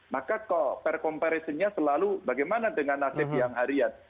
maka kok percomparisinya selalu bagaimana dengan nasib siang harian